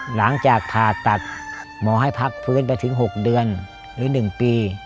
หลังจากผ่าตัดหมอให้พักฟื้นไปถึง๖เดือนหรือ๑ปี